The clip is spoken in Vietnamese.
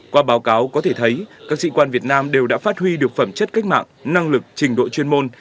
qua báo cáo có thể thấy các sĩ quan việt nam đều đã phát huy được phẩm chất cách mạng năng lực trình độ chuyên môn